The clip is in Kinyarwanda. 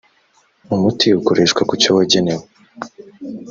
umuti ukoreshwa ku cyo wagenewe